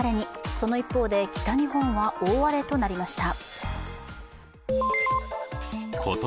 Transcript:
その一方で北日本は大荒れとなりました。